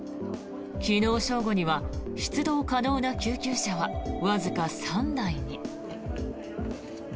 昨日正午には出動可能な救急車はわずか３台に。